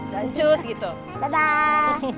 dan cus gitu dadah